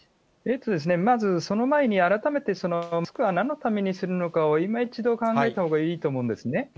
まず、その前に改めてマスクはなんのためにするのかをいま一度、考えたほうがいいと思うんですね。